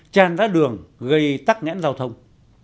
tràn ra đường gây tắc nhãn giao thông